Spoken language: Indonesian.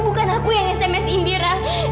bukan aku yang sms indira